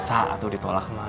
gak usah tuh ditolak ma